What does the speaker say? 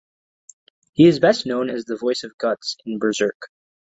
He is best known as the voice of Guts in "Berserk".